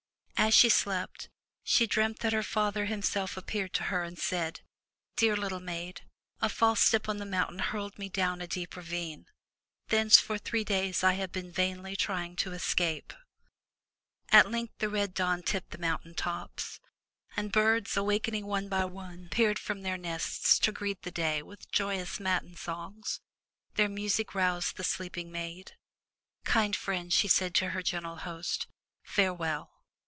As she slept, she dreamt that her father himself appeared to her and said: "Dear little maid, a false step on the mountain hurled me down a deep ravine. Thence for three days I have been vainly trying to escape." At length the red dawn tipped the mountain tops, and birds, 37^ FROM THE TOWER WINDOW awakening one by one, peered froni their nests to greet the day with joyous matin songs. Their music roused the sleeping maid, "Kind friend,'' she said to her gentle host, "farewell!